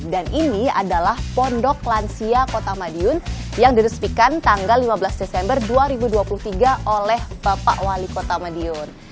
dan ini adalah pondok lansia kota madiun yang diresepikan tanggal lima belas desember dua ribu dua puluh tiga oleh bapak wali kota madiun